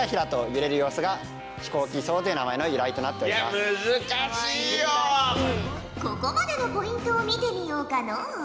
あやっぱ正解はここまでのポイントを見てみようかのう。